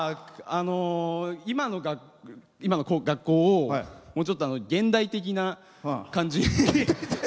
今の学校をもうちょっと現代的な感じに。